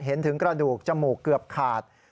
เห็นถึงกระดูกจมูกเกือบขาด